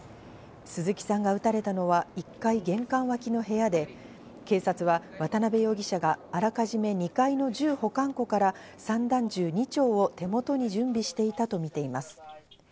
鈴木さんが撃たれたのは１階玄関脇の部屋で警察は渡辺容疑者があらかじめ２階の銃保管庫から散弾銃２丁を手元に準備していたとみています。